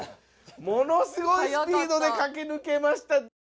ものすごいスピードでかけぬけました。